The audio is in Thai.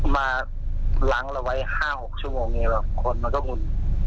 มาหลังระไว้๕๖ชั่วโมงเห็นแบบคนมันนักมุ่น